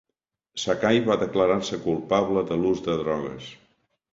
Sakai va declarar-se culpable de l'us de drogues.